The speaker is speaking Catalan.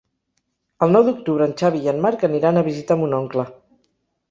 El nou d'octubre en Xavi i en Marc aniran a visitar mon oncle.